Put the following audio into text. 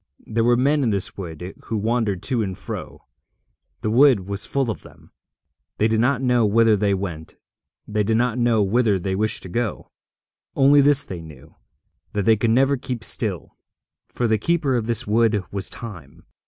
There were men in this wood who wandered to and fro. The wood was full of them. They did not know whither they went; they did not know whither they wished to go. Only this they knew, that they could never keep still; for the keeper of this wood was Time.